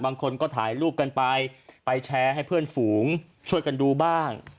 บางคนก็ถ่ายรูปกันไปไปแชร์ให้เพื่อนฝูงช่วยกันดูบ้าง